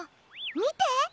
みて！